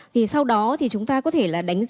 thì sau đó thì chúng ta có thể là đánh giá